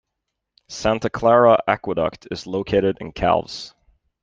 Santa Clara Aqueduct is located in Calves.